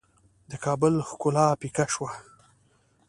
د کابل ښکلا پیکه شوه.